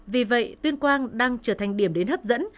vì vậy tuyên quang đang trở thành điểm đến hấp dẫn